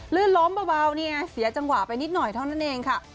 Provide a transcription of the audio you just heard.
ลื่นล้มเบานี่ไงเสียจังหวะไปนิดหน่อยเท่านั้นเองค่ะ